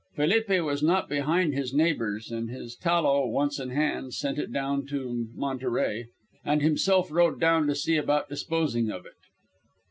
Felipe was not behind his neighbours, and, his tallow once in hand, sent it down to Monterey, and himself rode down to see about disposing of it.